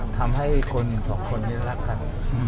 ทำให้คนสองคนนี้รักกัน